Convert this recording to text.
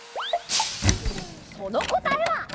そのこたえは。